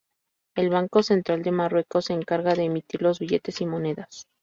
El Banco Central de Marruecos se encarga de emitir los billetes y monedas.